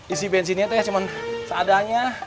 isi bensinnya cuma seadanya